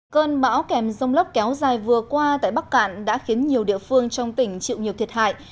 cơn bão kèm dông lốc kéo dài vừa qua tại bắc cạn đã khiến nhiều địa phương trong tỉnh chịu nhiều thiệt hại